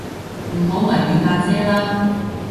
唔好迷戀阿姐啦